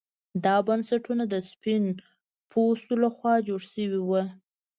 دا بنسټونه د سپین پوستو لخوا جوړ شوي وو.